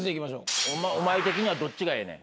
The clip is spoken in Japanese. お前的にはどっちがええねん。